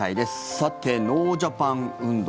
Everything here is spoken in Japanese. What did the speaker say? さて、ノージャパン運動。